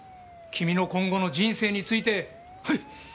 君の今後の人生について。